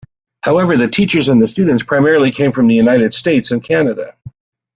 However, the teachers and the students primarily come from the United States and Canada.